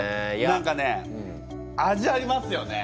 何かね味ありますよね。